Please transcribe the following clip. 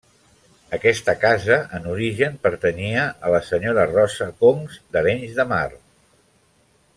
Aquesta casa en origen pertanyia a la senyora Rosa Concs d'Arenys de Mar.